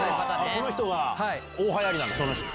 この人が大はやりなんだ。